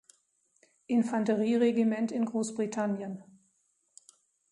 Infanterieregiment in Großbritannien.